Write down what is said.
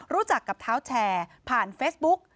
รู้จักกับเท้าแชร์ผ่านเฟซบุ๊ก